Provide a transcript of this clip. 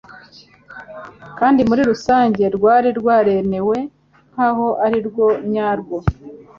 kandi muri rusange rwari rwaremewe nkaho ari rwo nyarwo.